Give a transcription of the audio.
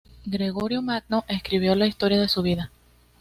Gregorio Magno escribió la historia de su vida.